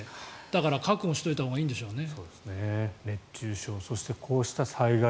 だから、覚悟しておいたほうがいいんでしょうね。